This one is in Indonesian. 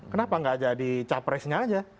kenapa nggak jadi capresnya aja